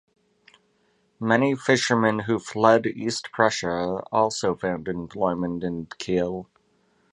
Many fishermen who fled East Prussia also found employment in Kiel.